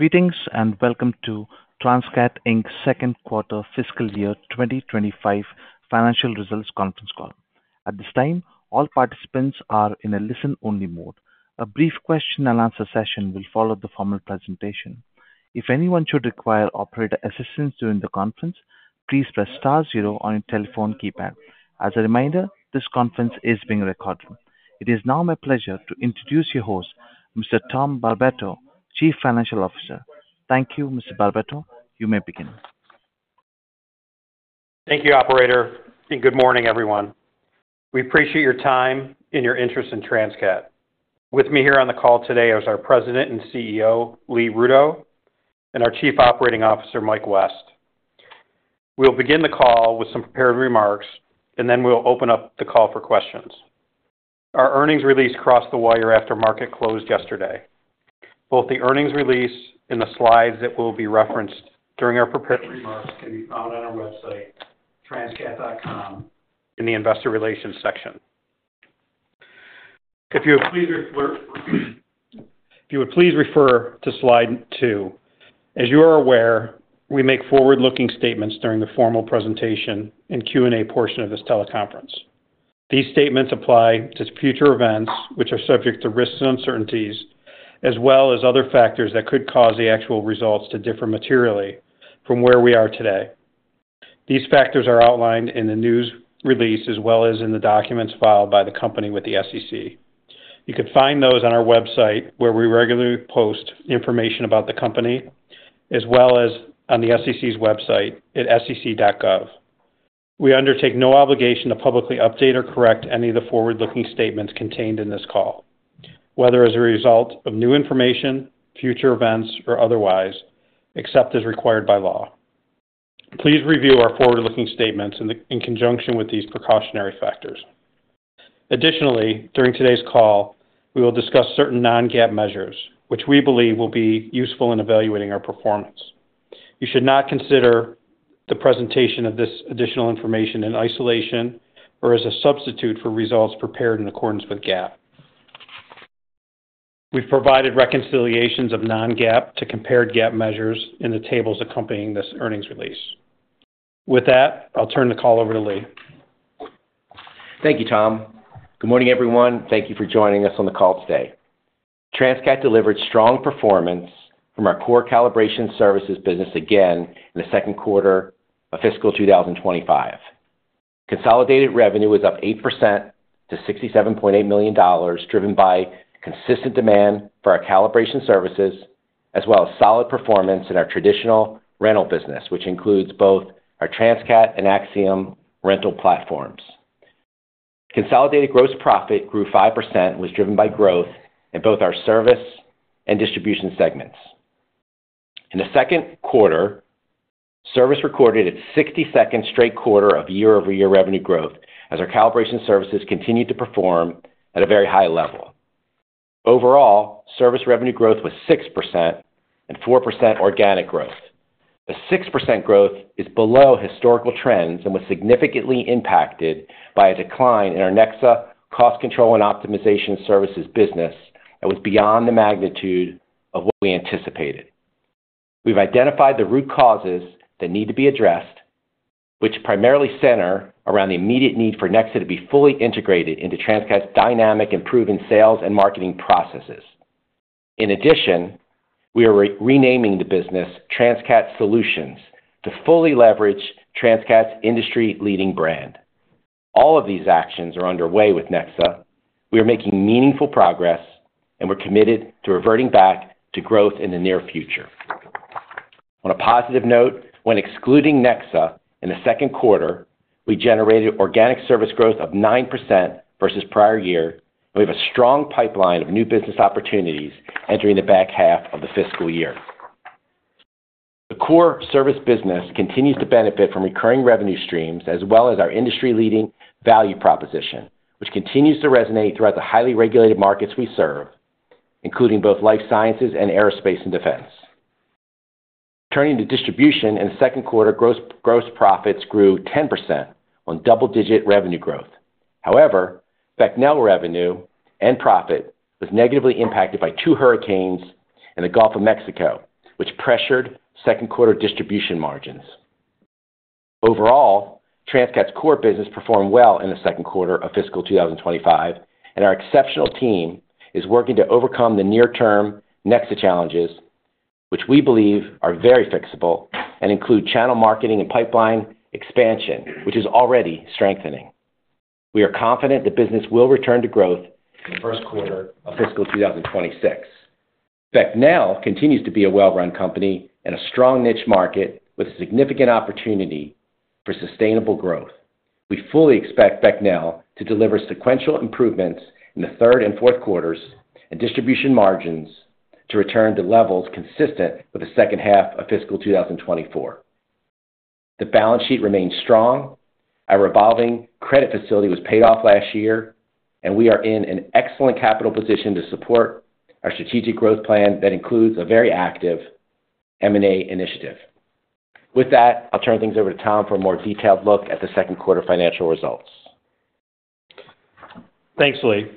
Greetings and welcome to Transcat Inc's second quarter fiscal year 2025 financial results conference call. At this time, all participants are in a listen-only mode. A brief question-and-answer session will follow the formal presentation. If anyone should require operator assistance during the conference, please press star zero on your telephone keypad. As a reminder, this conference is being recorded. It is now my pleasure to introduce your host, Mr. Tom Barbato, Chief Financial Officer. Thank you, Mr. Barbato. You may begin. Thank you, Operator, and good morning, everyone. We appreciate your time and your interest in Transcat. With me here on the call today is our President and CEO, Lee Rudow, and our Chief Operating Officer, Mike West. We'll begin the call with some prepared remarks, and then we'll open up the call for questions. Our earnings release crossed the wire after market closed yesterday. Both the earnings release and the slides that will be referenced during our prepared remarks can be found on our website, transcat.com, in the Investor Relations section. If you would please refer to slide two. As you are aware, we make forward-looking statements during the formal presentation and Q&A portion of this teleconference. These statements apply to future events, which are subject to risks and uncertainties, as well as other factors that could cause the actual results to differ materially from where we are today. These factors are outlined in the news release as well as in the documents filed by the company with the SEC. You can find those on our website, where we regularly post information about the company, as well as on the SEC's website at sec.gov. We undertake no obligation to publicly update or correct any of the forward-looking statements contained in this call, whether as a result of new information, future events, or otherwise, except as required by law. Please review our forward-looking statements in conjunction with these precautionary factors. Additionally, during today's call, we will discuss certain non-GAAP measures, which we believe will be useful in evaluating our performance. You should not consider the presentation of this additional information in isolation or as a substitute for results prepared in accordance with GAAP. We've provided reconciliations of non-GAAP to comparable GAAP measures in the tables accompanying this earnings release. With that, I'll turn the call over to Lee. Thank you, Tom. Good morning, everyone. Thank you for joining us on the call today. Transcat delivered strong performance from our core calibration services business again in the second quarter of fiscal 2025. Consolidated revenue was up 8% to $67.8 million, driven by consistent demand for our calibration services, as well as solid performance in our traditional rental business, which includes both our Transcat and Axiom rental platforms. Consolidated gross profit grew 5%, which was driven by growth in both our service and distribution segments. In the second quarter, service recorded its 62nd straight quarter of year-over-year revenue growth as our calibration services continued to perform at a very high level. Overall, service revenue growth was 6% and 4% organic growth. The 6% growth is below historical trends and was significantly impacted by a decline in our Nexa cost control and optimization services business that was beyond the magnitude of what we anticipated. We've identified the root causes that need to be addressed, which primarily center around the immediate need for Nexa to be fully integrated into Transcat's dynamic and proven sales and marketing processes. In addition, we are renaming the business Transcat Solutions to fully leverage Transcat's industry-leading brand. All of these actions are underway with Nexa. We are making meaningful progress, and we're committed to reverting back to growth in the near future. On a positive note, when excluding Nexa in the second quarter, we generated organic service growth of 9% versus prior year, and we have a strong pipeline of new business opportunities entering the back half of the fiscal year. The core service business continues to benefit from recurring revenue streams as well as our industry-leading value proposition, which continues to resonate throughout the highly regulated markets we serve, including both life sciences and aerospace and defense. Turning to distribution in the second quarter, gross profits grew 10% on double-digit revenue growth. However, Becnel revenue and profit were negatively impacted by two hurricanes and the Gulf of Mexico, which pressured second-quarter distribution margins. Overall, Transcat's core business performed well in the second quarter of fiscal 2025, and our exceptional team is working to overcome the near-term Nexa challenges, which we believe are very fixable and include channel marketing and pipeline expansion, which is already strengthening. We are confident the business will return to growth in the first quarter of fiscal 2026. Becnel continues to be a well-run company in a strong niche market with a significant opportunity for sustainable growth. We fully expect Becnel to deliver sequential improvements in the third and fourth quarters and distribution margins to return to levels consistent with the second half of fiscal 2024. The balance sheet remains strong. Our revolving credit facility was paid off last year, and we are in an excellent capital position to support our strategic growth plan that includes a very active M&A initiative. With that, I'll turn things over to Tom for a more detailed look at the second quarter financial results. Thanks, Lee.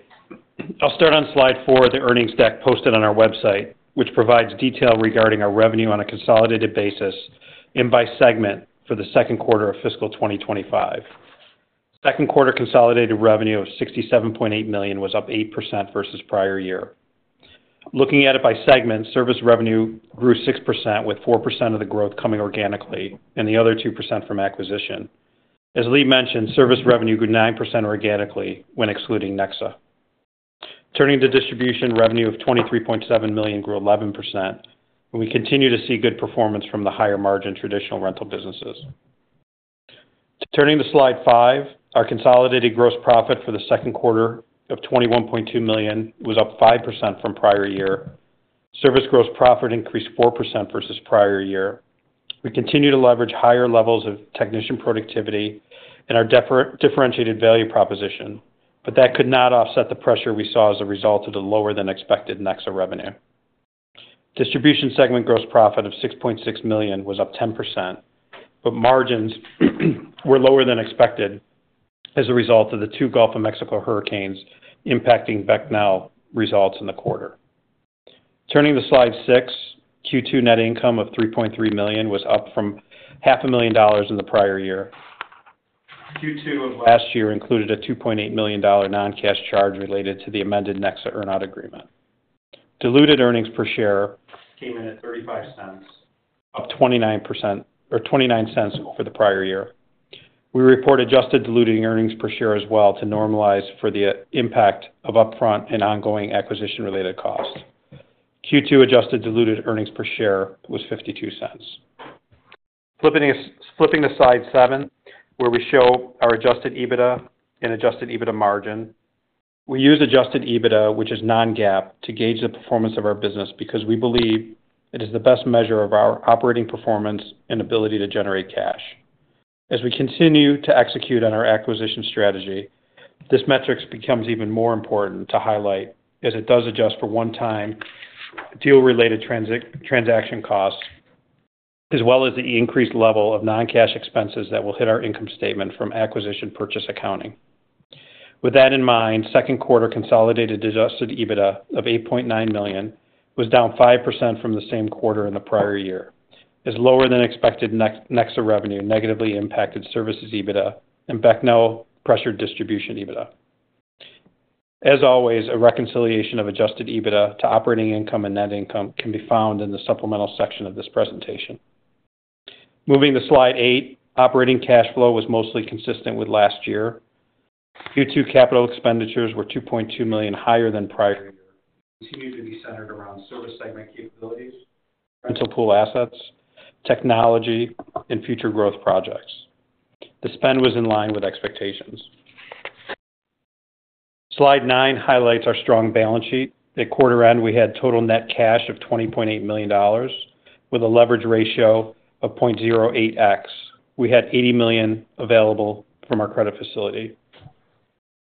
I'll start on slide four of the earnings deck posted on our website, which provides detail regarding our revenue on a consolidated basis and by segment for the second quarter of fiscal 2025. Second quarter consolidated revenue of $67.8 million was up 8% versus prior year. Looking at it by segment, service revenue grew 6% with 4% of the growth coming organically and the other 2% from acquisition. As Lee mentioned, service revenue grew 9% organically when excluding Nexa. Turning to distribution, revenue of $23.7 million grew 11%, and we continue to see good performance from the higher-margin traditional rental businesses. Turning to slide five, our consolidated gross profit for the second quarter of $21.2 million was up 5% from prior year. Service gross profit increased 4% versus prior year. We continue to leverage higher levels of technician productivity and our differentiated value proposition, but that could not offset the pressure we saw as a result of the lower-than-expected Nexa revenue. Distribution segment gross profit of $6.6 million was up 10%, but margins were lower than expected as a result of the two Gulf of Mexico hurricanes impacting Becnel results in the quarter. Turning to slide six, Q2 net income of $3.3 million was up from $500,000 in the prior year. Q2 of last year included a $2.8 million non-cash charge related to the amended Nexa earn-out agreement. Diluted earnings per share came in at $0.35, up $0.29 over the prior year. We report adjusted diluted earnings per share as well to normalize for the impact of upfront and ongoing acquisition-related costs. Q2 adjusted diluted earnings per share was $0.52. Flipping to slide seven, where we show our adjusted EBITDA and adjusted EBITDA margin, we use adjusted EBITDA, which is non-GAAP, to gauge the performance of our business because we believe it is the best measure of our operating performance and ability to generate cash. As we continue to execute on our acquisition strategy, this metric becomes even more important to highlight as it does adjust for one-time deal-related transaction costs as well as the increased level of non-cash expenses that will hit our income statement from acquisition purchase accounting. With that in mind, second quarter consolidated adjusted EBITDA of $8.9 million was down 5% from the same quarter in the prior year, as lower-than-expected Nexa revenue negatively impacted services EBITDA and Becnel pressured distribution EBITDA. As always, a reconciliation of adjusted EBITDA to operating income and net income can be found in the supplemental section of this presentation. Moving to slide eight, operating cash flow was mostly consistent with last year. Q2 capital expenditures were $2.2 million higher than prior year. Continued to be centered around service segment capabilities, rental pool assets, technology, and future growth projects. The spend was in line with expectations. Slide nine highlights our strong balance sheet. At quarter end, we had total net cash of $20.8 million with a leverage ratio of 0.08x. We had $80 million available from our credit facility.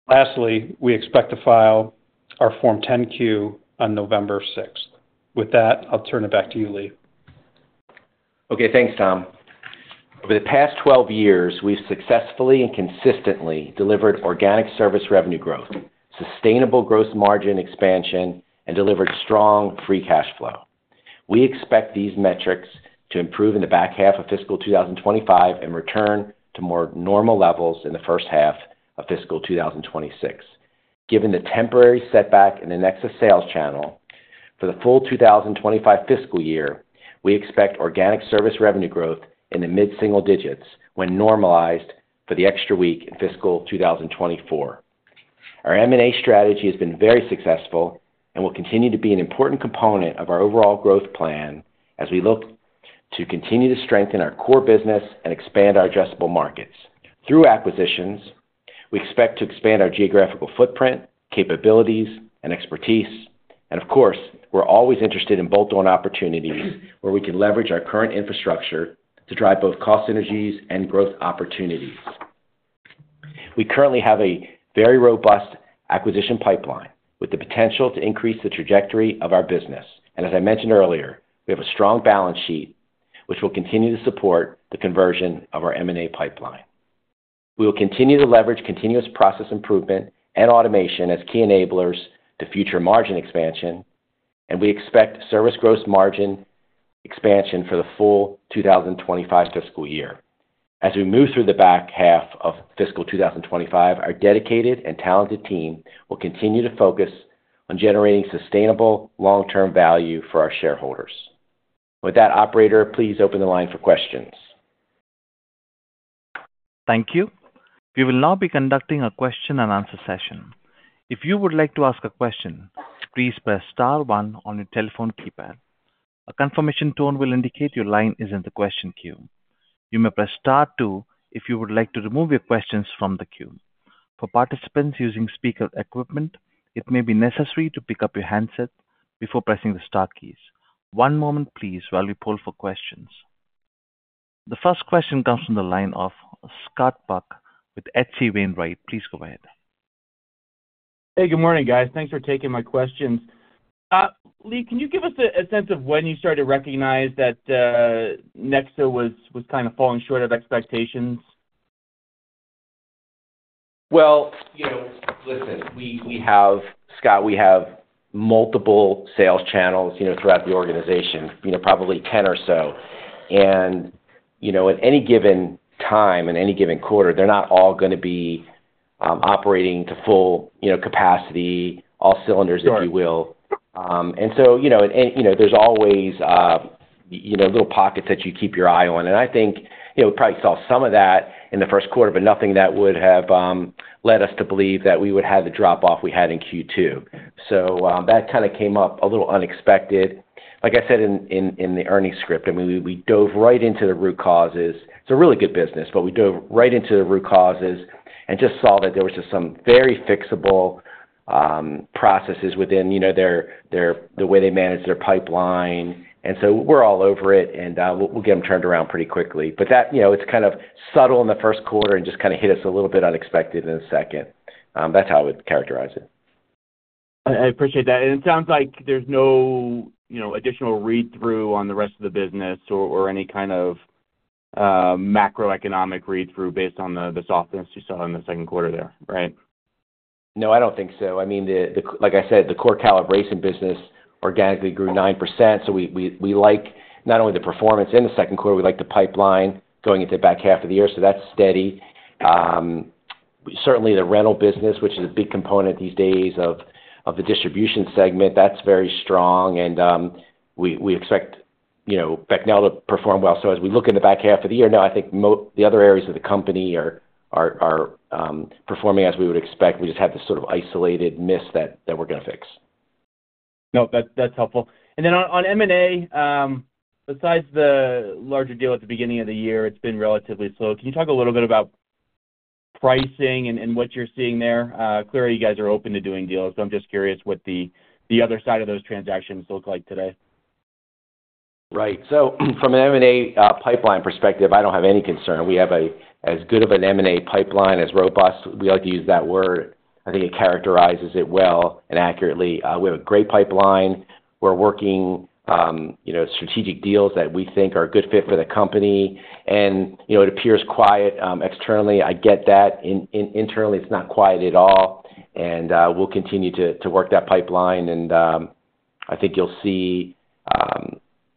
Lastly, we expect to file our Form 10-Q on November 6th. With that, I'll turn it back to you, Lee. Okay, thanks, Tom. Over the past 12 years, we've successfully and consistently delivered organic service revenue growth, sustainable gross margin expansion, and delivered strong free cash flow. We expect these metrics to improve in the back half of fiscal 2025 and return to more normal levels in the first half of fiscal 2026. Given the temporary setback in the Nexa sales channel, for the full 2025 fiscal year, we expect organic service revenue growth in the mid-single digits when normalized for the extra week in fiscal 2024. Our M&A strategy has been very successful and will continue to be an important component of our overall growth plan as we look to continue to strengthen our core business and expand our addressable markets. Through acquisitions, we expect to expand our geographical footprint, capabilities, and expertise. And of course, we're always interested in bolt-on opportunities where we can leverage our current infrastructure to drive both cost synergies and growth opportunities. We currently have a very robust acquisition pipeline with the potential to increase the trajectory of our business. And as I mentioned earlier, we have a strong balance sheet, which will continue to support the conversion of our M&A pipeline. We will continue to leverage continuous process improvement and automation as key enablers to future margin expansion, and we expect service gross margin expansion for the full 2025 fiscal year. As we move through the back half of fiscal 2025, our dedicated and talented team will continue to focus on generating sustainable long-term value for our shareholders. With that, operator, please open the line for questions. Thank you. We will now be conducting a question-and-answer session. If you would like to ask a question, please press star one on your telephone keypad. A confirmation tone will indicate your line is in the question queue. You may press star two if you would like to remove your questions from the queue. For participants using speaker equipment, it may be necessary to pick up your handset before pressing the star keys. One moment, please, while we poll for questions. The first question comes from the line of Scott Buck with H.C. Wainwright. Please go ahead. Hey, good morning, guys. Thanks for taking my questions. Lee, can you give us a sense of when you started to recognize that Nexa was kind of falling short of expectations? Listen, Scott, we have multiple sales channels throughout the organization, probably 10 or so. And at any given time, in any given quarter, they're not all going to be operating to full capacity, all cylinders, if you will. And so there's always little pockets that you keep your eye on. And I think we probably saw some of that in the first quarter, but nothing that would have led us to believe that we would have the drop-off we had in Q2. So that kind of came up a little unexpected. Like I said in the earnings script, I mean, we dove right into the root causes. It's a really good business, but we dove right into the root causes and just saw that there were just some very fixable processes within the way they manage their pipeline. And so we're all over it, and we'll get them turned around pretty quickly. But it's kind of subtle in the first quarter and just kind of hit us a little bit unexpected in the second. That's how I would characterize it. I appreciate that. And it sounds like there's no additional read-through on the rest of the business or any kind of macroeconomic read-through based on the softness you saw in the second quarter there, right? No, I don't think so. I mean, like I said, the core calibration business organically grew 9%. So we like not only the performance in the second quarter, we like the pipeline going into the back half of the year. So that's steady. Certainly, the rental business, which is a big component these days of the distribution segment, that's very strong. And we expect Becnel to perform well. So as we look in the back half of the year, no, I think the other areas of the company are performing as we would expect. We just have this sort of isolated miss that we're going to fix. No, that's helpful. And then on M&A, besides the larger deal at the beginning of the year, it's been relatively slow. Can you talk a little bit about pricing and what you're seeing there? Clearly, you guys are open to doing deals, but I'm just curious what the other side of those transactions look like today. Right. From an M&A pipeline perspective, I don't have any concern. We have as good of an M&A pipeline as robust. We like to use that word. I think it characterizes it well and accurately. We have a great pipeline. We're working strategic deals that we think are a good fit for the company. It appears quiet externally. I get that. Internally, it's not quiet at all. We'll continue to work that pipeline. I think you'll see.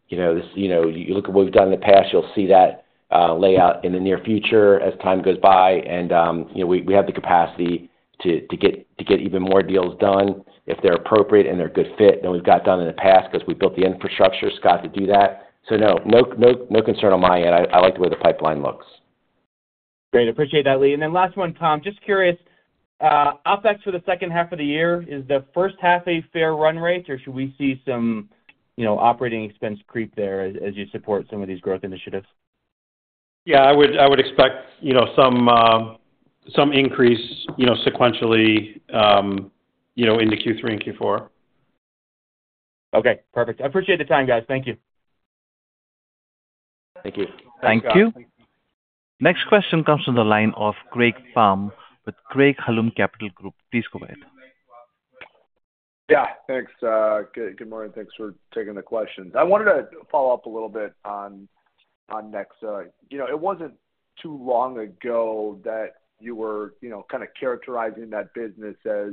You look at what we've done in the past, you'll see that play out in the near future as time goes by. We have the capacity to get even more deals done if they're appropriate and they're a good fit than we've got done in the past because we built the infrastructure, Scott, to do that. No, no concern on my end. I like the way the pipeline looks. Great. Appreciate that, Lee. And then last one, Tom, just curious, OpEx for the second half of the year, is the first half a fair run rate, or should we see some operating expense creep there as you support some of these growth initiatives? Yeah, I would expect some increase sequentially into Q3 and Q4. Okay. Perfect. I appreciate the time, guys. Thank you. Thank you. Thank you. Next question comes from the line of Greg Palm with Craig-Hallum Capital Group. Please go ahead. Yeah. Thanks. Good morning. Thanks for taking the questions. I wanted to follow up a little bit on Nexa. It wasn't too long ago that you were kind of characterizing that business as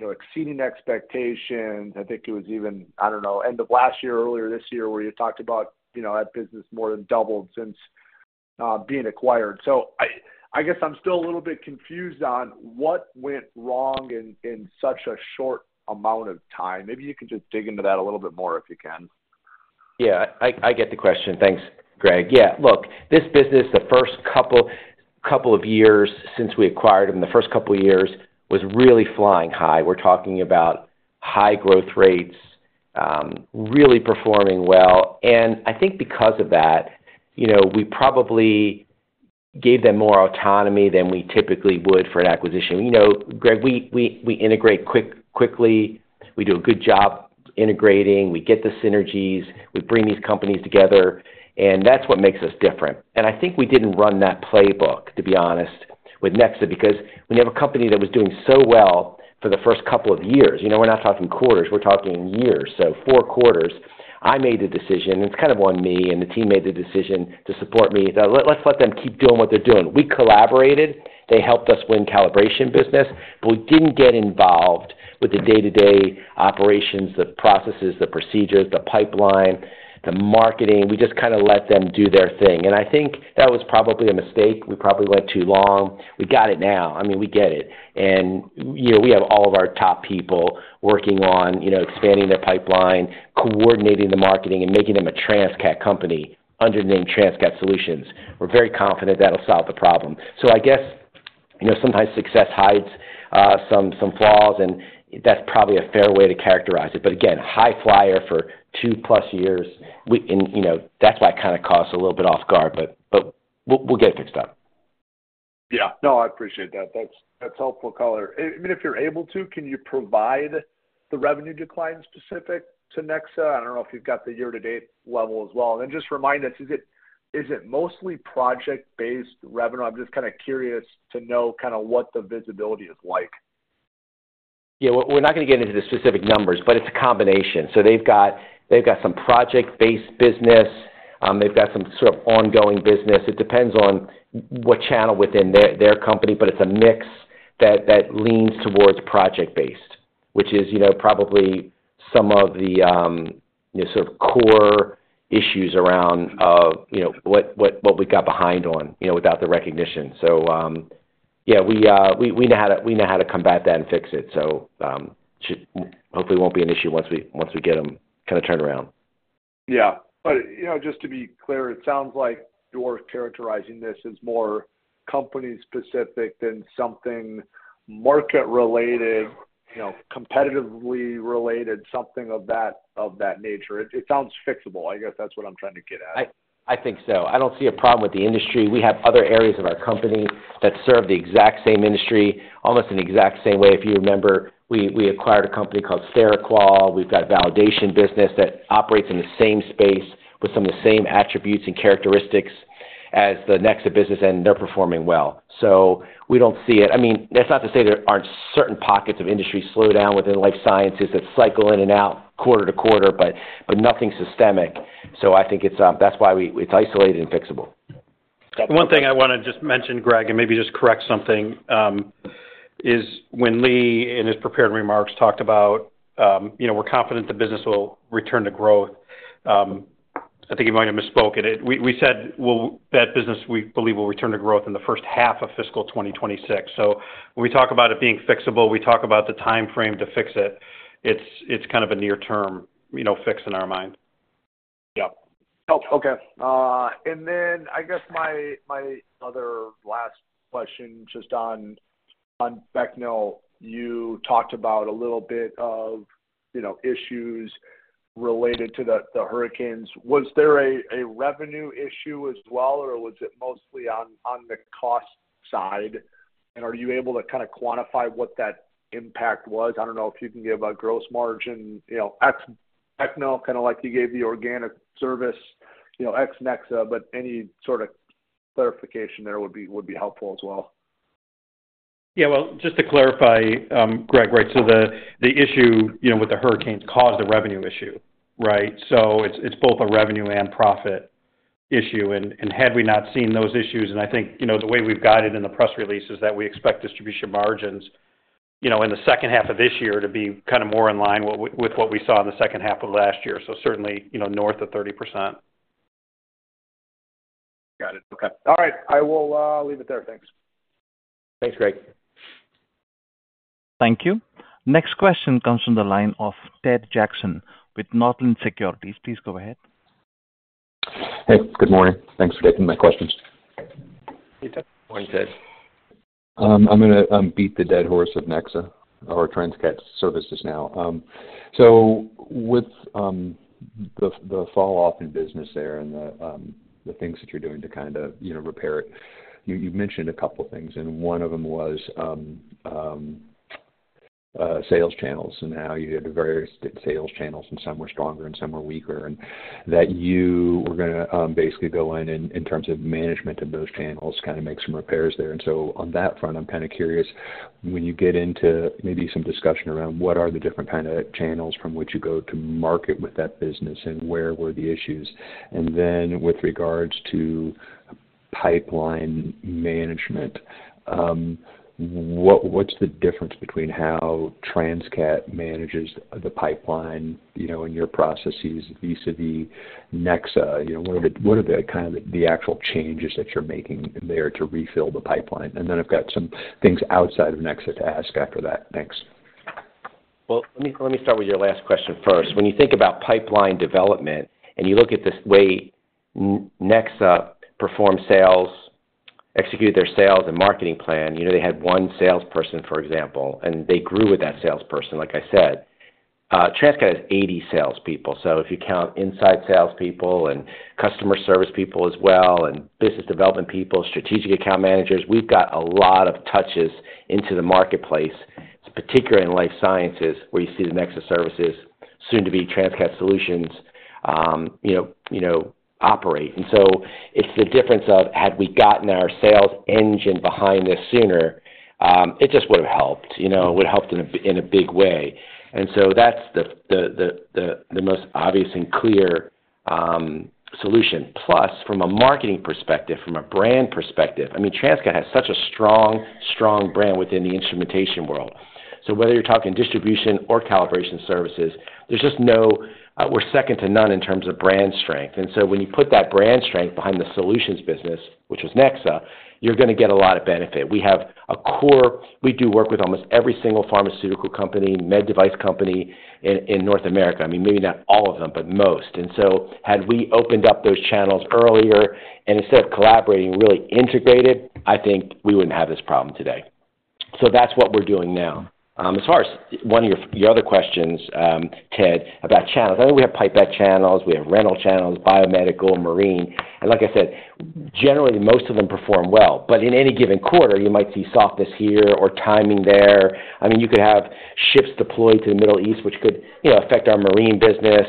exceeding expectations. I think it was even, I don't know, end of last year, earlier this year, where you talked about that business more than doubled since being acquired. So I guess I'm still a little bit confused on what went wrong in such a short amount of time. Maybe you can just dig into that a little bit more if you can. Yeah, I get the question. Thanks, Greg. Yeah. Look, this business, the first couple of years since we acquired them, the first couple of years was really flying high. We're talking about high growth rates, really performing well. And I think because of that, we probably gave them more autonomy than we typically would for an acquisition. Greg, we integrate quickly. We do a good job integrating. We get the synergies. We bring these companies together. And that's what makes us different. And I think we didn't run that playbook, to be honest, with Nexa because we have a company that was doing so well for the first couple of years. We're not talking quarters. We're talking years. So four quarters, I made the decision. It's kind of on me, and the team made the decision to support me. Let's let them keep doing what they're doing. We collaborated. They helped us win calibration business, but we didn't get involved with the day-to-day operations, the processes, the procedures, the pipeline, the marketing. We just kind of let them do their thing, and I think that was probably a mistake. We probably went too long. We got it now. I mean, we get it, and we have all of our top people working on expanding the pipeline, coordinating the marketing, and making them a Transcat company under the name Transcat Solutions. We're very confident that'll solve the problem, so I guess sometimes success hides some flaws, and that's probably a fair way to characterize it, but again, high flyer for two-plus years. That's why it kind of caused a little bit of off guard, but we'll get it fixed up. Yeah. No, I appreciate that. That's helpful color. I mean, if you're able to, can you provide the revenue decline specific to Nexa? I don't know if you've got the year-to-date level as well. And just remind us, is it mostly project-based revenue? I'm just kind of curious to know kind of what the visibility is like. Yeah. We're not going to get into the specific numbers, but it's a combination. So they've got some project-based business. They've got some sort of ongoing business. It depends on what channel within their company, but it's a mix that leans towards project-based, which is probably some of the sort of core issues around what we got behind on without the recognition. So yeah, we know how to combat that and fix it. So hopefully, it won't be an issue once we get them kind of turned around. Yeah, but just to be clear, it sounds like you're characterizing this as more company-specific than something market-related, competitively related, something of that nature. It sounds fixable. I guess that's what I'm trying to get at. I think so. I don't see a problem with the industry. We have other areas of our company that serve the exact same industry, almost in the exact same way. If you remember, we acquired a company called SteriQual. We've got a validation business that operates in the same space with some of the same attributes and characteristics as the Nexa business, and they're performing well. So we don't see it. I mean, that's not to say there aren't certain pockets of industry slow down within life sciences that cycle in and out quarter to quarter, but nothing systemic. So I think that's why it's isolated and fixable. One thing I want to just mention, Greg, and maybe just correct something, is when Lee in his prepared remarks talked about, "We're confident the business will return to growth," I think he might have misspoken. We said, "Well, that business, we believe, will return to growth in the first half of fiscal 2026." So when we talk about it being fixable, we talk about the time frame to fix it. It's kind of a near-term fix in our mind. Yeah. Okay. And then I guess my other last question just on Becnel, you talked about a little bit of issues related to the hurricanes. Was there a revenue issue as well, or was it mostly on the cost side? And are you able to kind of quantify what that impact was? I don't know if you can give a gross margin, Becnel, kind of like you gave the organic service, ex-Nexa, but any sort of clarification there would be helpful as well. Yeah, well, just to clarify, Greg, right? So the issue with the hurricanes caused a revenue issue, right? So it's both a revenue and profit issue, and had we not seen those issues, and I think the way we've got it in the press release is that we expect distribution margins in the second half of this year to be kind of more in line with what we saw in the second half of last year, so certainly north of 30%. Got it. Okay. All right. I will leave it there. Thanks. Thanks, Greg. Thank you. Next question comes from the line of Ted Jackson with Northland Securities. Please go ahead. Hey, good morning. Thanks for taking my questions. Good morning, Ted. I'm going to beat the dead horse of Nexa, our Transcat services now. So with the falloff in business there and the things that you're doing to kind of repair it, you mentioned a couple of things. And one of them was sales channels and how you had various sales channels, and some were stronger and some were weaker, and that you were going to basically go in terms of management of those channels, kind of make some repairs there. And so on that front, I'm kind of curious when you get into maybe some discussion around what are the different kind of channels from which you go to market with that business and where were the issues. And then with regards to pipeline management, what's the difference between how Transcat manages the pipeline and your processes vis-à-vis Nexa? What are kind of the actual changes that you're making there to refill the pipeline? And then I've got some things outside of Nexa to ask after that. Thanks. Let me start with your last question first. When you think about pipeline development and you look at the way Nexa performed sales, executed their sales and marketing plan, they had one salesperson, for example, and they grew with that salesperson, like I said. Transcat has 80 salespeople. If you count inside salespeople and customer service people as well and business development people, strategic account managers, we've got a lot of touches into the marketplace, particularly in life sciences where you see the Nexa services, soon-to-be Transcat Solutions operate. It's the difference of had we gotten our sales engine behind this sooner, it just would have helped. It would have helped in a big way. That's the most obvious and clear solution. Plus, from a marketing perspective, from a brand perspective, I mean, Transcat has such a strong, strong brand within the instrumentation world. So whether you're talking distribution or calibration services, there's just no, we're second to none in terms of brand strength. And so when you put that brand strength behind the solutions business, which was Nexa, you're going to get a lot of benefit. We have a core, we do work with almost every single pharmaceutical company, med device company in North America. I mean, maybe not all of them, but most. And so had we opened up those channels earlier and instead of collaborating, really integrated, I think we wouldn't have this problem today. So that's what we're doing now. As far as one of your other questions, Ted, about channels, I think we have pipette channels. We have rental channels, biomedical, marine. And like I said, generally, most of them perform well. But in any given quarter, you might see softness here or timing there. I mean, you could have ships deployed to the Middle East, which could affect our marine business.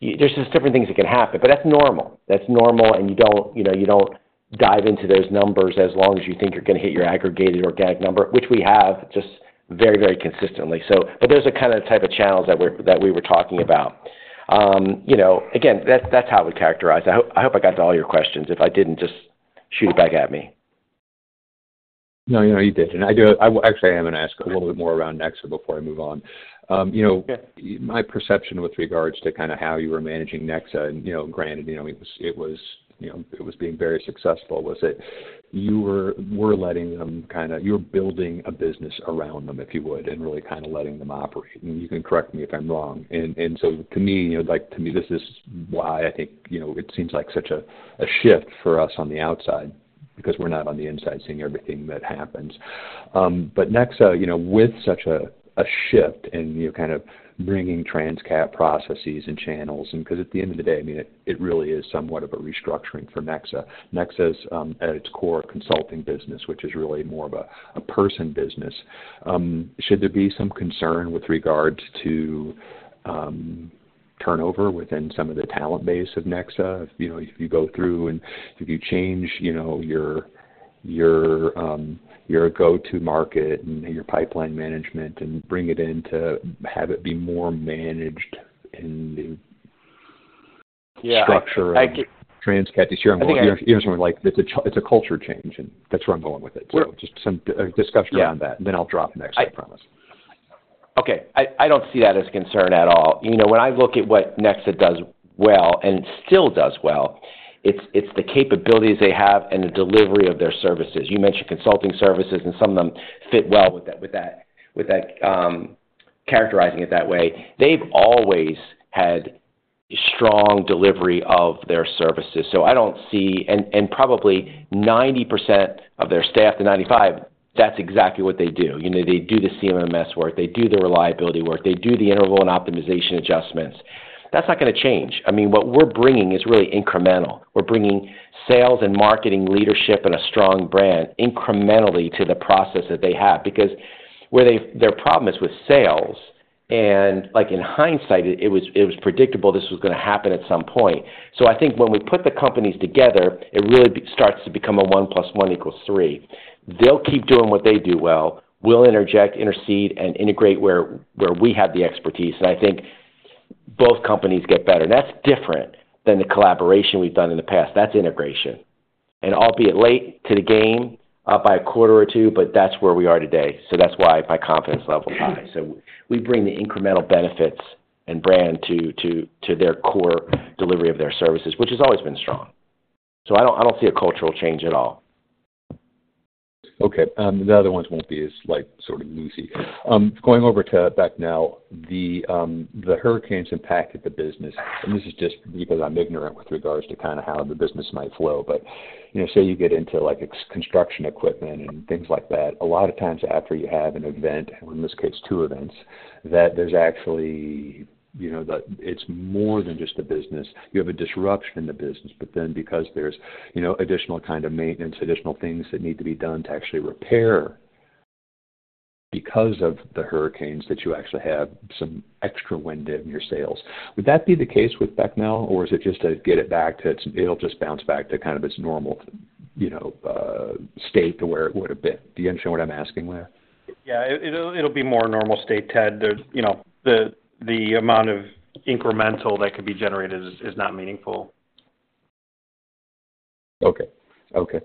There's just different things that can happen, but that's normal. That's normal, and you don't dive into those numbers as long as you think you're going to hit your aggregated organic number, which we have just very, very consistently, but those are kind of the type of channels that we were talking about. Again, that's how I would characterize. I hope I got to all your questions. If I didn't, just shoot it back at me. No, you did, and actually, I am going to ask a little bit more around Nexa before I move on. My perception with regards to kind of how you were managing Nexa, and granted, it was being very successful, was that you were letting them kind of - you were building a business around them, if you would, and really kind of letting them operate, and you can correct me if I'm wrong. And so to me, this is why I think it seems like such a shift for us on the outside because we're not on the inside seeing everything that happens. But Nexa, with such a shift in kind of bringing Transcat processes and channels, and because at the end of the day, I mean, it really is somewhat of a restructuring for Nexa. Nexa is, at its core, a consulting business, which is really more of a person business. Should there be some concern with regards to turnover within some of the talent base of Nexa? If you go through and if you change your go-to market and your pipeline management and bring it in to have it be more managed in the structure of Transcat this year, I'm going to hear someone like, "It's a culture change." And that's where I'm going with it. So just some discussion around that. And then I'll drop Nexa, I promise. Okay. I don't see that as a concern at all. When I look at what Nexa does well and still does well, it's the capabilities they have and the delivery of their services. You mentioned consulting services, and some of them fit well with that, characterizing it that way. They've always had strong delivery of their services. So I don't see, and probably 90% of their staff, the 95%, that's exactly what they do. They do the CMMS work. They do the reliability work. They do the interval and optimization adjustments. That's not going to change. I mean, what we're bringing is really incremental. We're bringing sales and marketing leadership and a strong brand incrementally to the process that they have because where their problem is with sales, and in hindsight, it was predictable this was going to happen at some point. So, I think when we put the companies together, it really starts to become a one plus one equals three. They'll keep doing what they do well. We'll interject, intercede, and integrate where we have the expertise. And I think both companies get better. And that's different than the collaboration we've done in the past. That's integration. And I'll be late to the game by a quarter or two, but that's where we are today. So that's why my confidence level is high. So we bring the incremental benefits and brand to their core delivery of their services, which has always been strong. So I don't see a cultural change at all. Okay. The other ones won't be as sort of messy. Going over to Becnel, the hurricanes impacted the business, and this is just because I'm ignorant with regards to kind of how the business might flow. But say you get into construction equipment and things like that, a lot of times after you have an event, in this case, two events, that there's actually, it's more than just the business. You have a disruption in the business, but then because there's additional kind of maintenance, additional things that need to be done to actually repair because of the hurricanes, that you actually have some extra wind in your sales. Would that be the case with Becnel, or is it just a get it back to it'll just bounce back to kind of its normal state to where it would have been? Do you understand what I'm asking there? Yeah. It'll be more normal state, Ted. The amount of incremental that can be generated is not meaningful. Okay. Okay.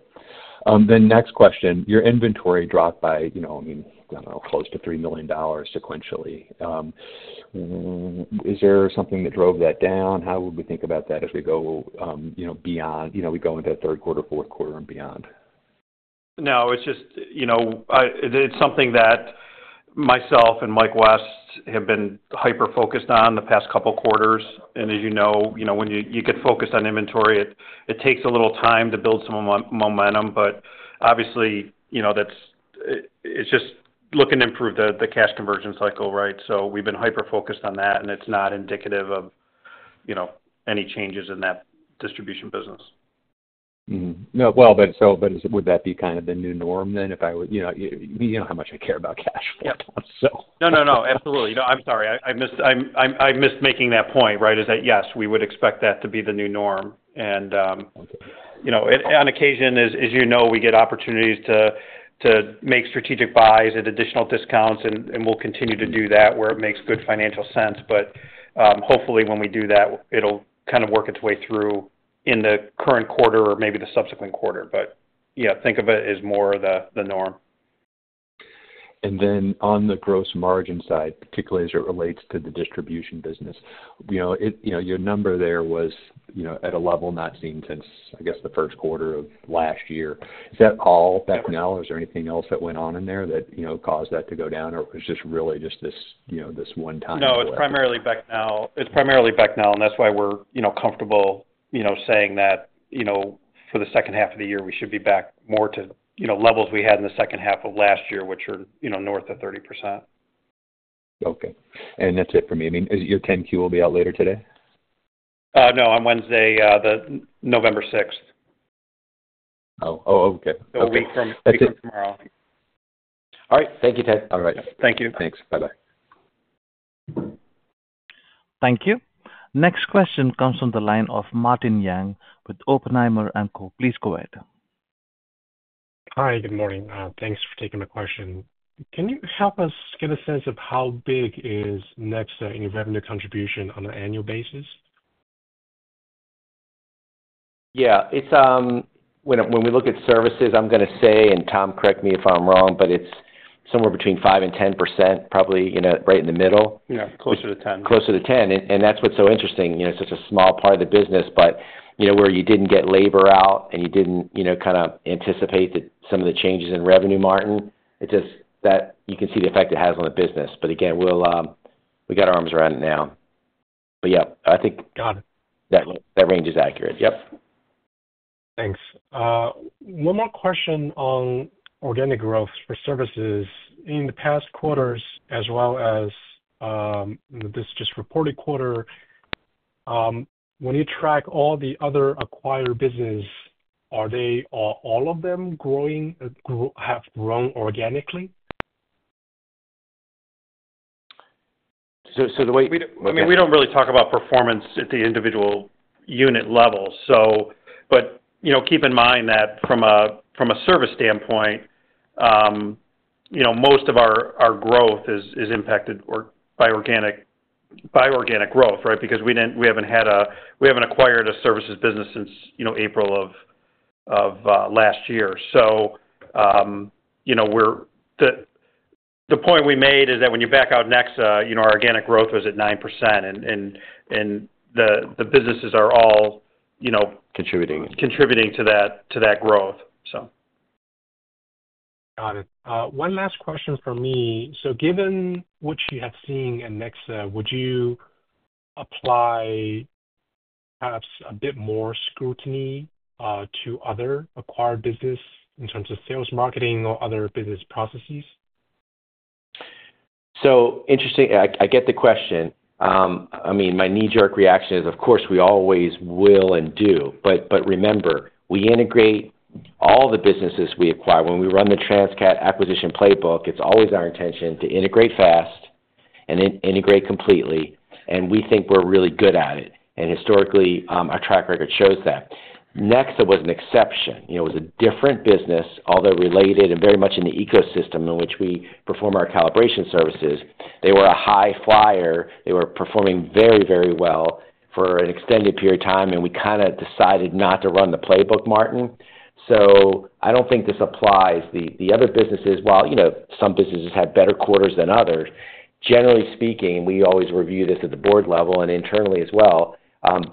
Then next question. Your inventory dropped by, I mean, I don't know, close to $3 million sequentially. Is there something that drove that down? How would we think about that as we go beyond? We go into third quarter, fourth quarter, and beyond. No. It's just something that myself and Mike West have been hyper-focused on the past couple of quarters. As you know, when you get focused on inventory, it takes a little time to build some momentum. Obviously, it's just looking to improve the cash conversion cycle, right? We've been hyper-focused on that, and it's not indicative of any changes in that distribution business. Well, but would that be kind of the new norm then if I would, you know how much I care about cash flow, so? No, no, no. Absolutely. I'm sorry. I missed making that point, right? Is that yes, we would expect that to be the new norm. And on occasion, as you know, we get opportunities to make strategic buys at additional discounts, and we'll continue to do that where it makes good financial sense. But hopefully, when we do that, it'll kind of work its way through in the current quarter or maybe the subsequent quarter. But yeah, think of it as more the norm. Then on the gross margin side, particularly as it relates to the distribution business, your number there was at a level not seen since, I guess, the first quarter of last year. Is that all Becnel? Is there anything else that went on in there that caused that to go down, or it was just really this one time? No, it's primarily Becnel. It's primarily Becnel. And that's why we're comfortable saying that for the second half of the year, we should be back more to levels we had in the second half of last year, which are north of 30%. Okay. And that's it for me. I mean, is your 10-Q will be out later today? No. On Wednesday, November 6th. Oh, okay. Okay. A week from tomorrow. All right. Thank you, Ted. All right. Thank you. Thanks. Bye-bye. Thank you. Next question comes from the line of Martin Yang with Oppenheimer & Co. Please go ahead. Hi. Good morning. Thanks for taking my question. Can you help us get a sense of how big is Nexa in revenue contribution on an annual basis? Yeah. When we look at services, I'm going to say, and Tom, correct me if I'm wrong, but it's somewhere between 5%-10%, probably right in the middle. Yeah. Closer to 10. Closer to 10. And that's what's so interesting. It's such a small part of the business, but where you didn't get labor out and you didn't kind of anticipate some of the changes in revenue, Martin, it's just that you can see the effect it has on the business. But again, we've got our arms around it now. But yeah, I think that range is accurate. Yep. Thanks. One more question on organic growth for services. In the past quarters, as well as this just reported quarter, when you track all the other acquired businesses, are all of them have grown organically? I mean, we don't really talk about performance at the individual unit level. But keep in mind that from a service standpoint, most of our growth is impacted by organic growth, right, because we haven't acquired a services business since April of last year. So the point we made is that when you back out Nexa, our organic growth was at 9%, and the businesses are all. Contributing. Contributing to that growth, so. Got it. One last question for me. So given what you have seen in Nexa, would you apply perhaps a bit more scrutiny to other acquired businesses in terms of sales, marketing, or other business processes? So interesting. I get the question. I mean, my knee-jerk reaction is, of course, we always will and do. But remember, we integrate all the businesses we acquire. When we run the Transcat acquisition playbook, it's always our intention to integrate fast and then integrate completely. And we think we're really good at it. And historically, our track record shows that. Nexa was an exception. It was a different business, although related and very much in the ecosystem in which we perform our calibration services. They were a high flyer. They were performing very, very well for an extended period of time, and we kind of decided not to run the playbook, Martin. So I don't think this applies. The other businesses, while some businesses had better quarters than others, generally speaking, we always review this at the board level and internally as well.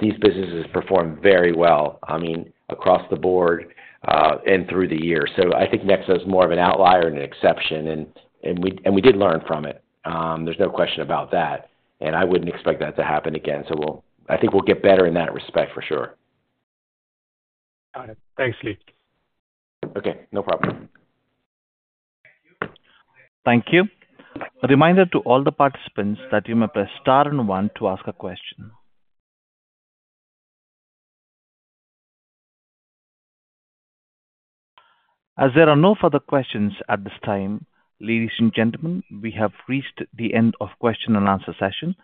These businesses perform very well, I mean, across the board and through the year. So I think Nexa is more of an outlier and an exception, and we did learn from it. There's no question about that. And I wouldn't expect that to happen again. So I think we'll get better in that respect for sure. Got it. Thanks, Lee. Okay. No problem. Thank you. A reminder to all the participants that you may press star and one to ask a question. As there are no further questions at this time, ladies and gentlemen, we have reached the end of the question and answer session.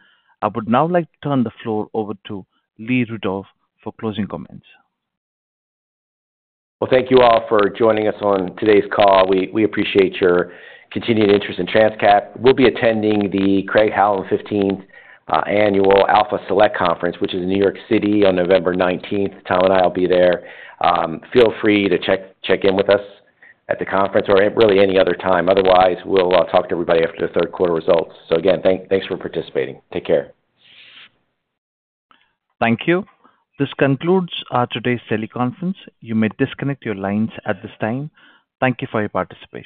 I would now like to turn the floor over to Lee Rudow for closing comments. Thank you all for joining us on today's call. We appreciate your continued interest in Transcat. We'll be attending the Craig-Hallum 15th Annual Alpha Select Conference, which is in New York City on November 19th. Tom and I will be there. Feel free to check in with us at the conference or really any other time. Otherwise, we'll talk to everybody after the third quarter results. Again, thanks for participating. Take care. Thank you. This concludes today's teleconference. You may disconnect your lines at this time. Thank you for your participation.